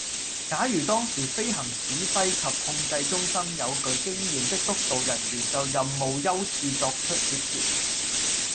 假如當時飛行指揮及控制中心有具經驗的督導人員就任務優次作出協調